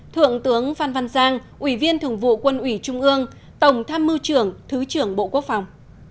thượng tướng phan văn giang ủy viên thường vụ quân ủy trung ương tổng tham mưu trưởng thứ trưởng bộ quốc phòng